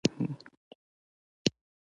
د افغانستان په منظره کې باران خورا ښکاره دی.